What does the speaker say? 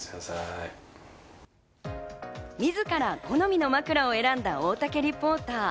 自ら好みの枕を選んだ大竹リポーター。